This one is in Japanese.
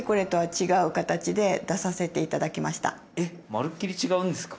えっまるっきり違うんですか？